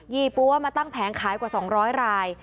ี่ปั๊วมาตั้งแผงขายกว่า๒๐๐ราย